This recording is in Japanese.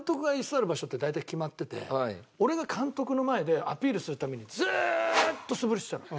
俺が監督の前でアピールするためにずーっと素振りしてるの。